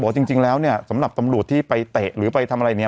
จริงแล้วเนี่ยสำหรับตำรวจที่ไปเตะหรือไปทำอะไรเนี่ย